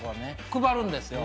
配るんですよ。